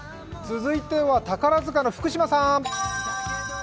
続いては宝塚の福島さん！